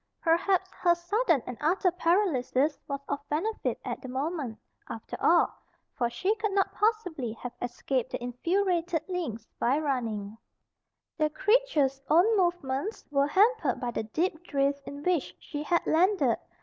Perhaps her sudden and utter paralysis was of benefit at the moment, after all; for she could not possibly have escaped the infuriated lynx by running. The creature's own movements were hampered by the deep drift in which she had landed.